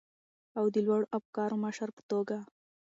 او د لوړو افکارو مشر په توګه،